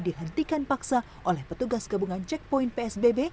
dihentikan paksa oleh petugas gabungan checkpoint psbb